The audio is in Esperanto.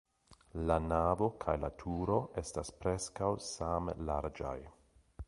La navo kaj la turo estas preskaŭ same larĝaj.